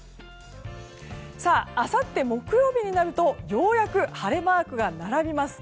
あさって木曜日になるとようやく晴れマークが並びます。